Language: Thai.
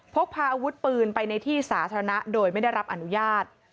พกพาอาวุธปืนไปในที่สาธารณะโดยไม่ได้รับอนุญาต